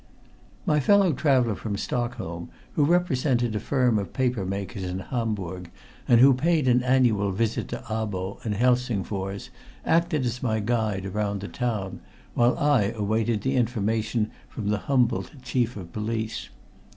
My fellow traveler from Stockholm, who represented a firm of paper makers in Hamburg, and who paid an annual visit to Abo and Helsingfors, acted as my guide around the town, while I awaited the information from the humbled Chief of Police.